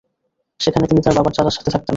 সেখানে তিনি তার বাবার চাচার সাথে থাকতেন।